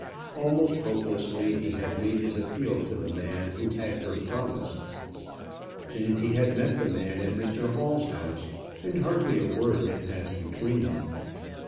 Almost hopelessly he had made his appeal to the man who had her promise. Then he had met the man at Mr Hall's house, and hardly a word had passed between them.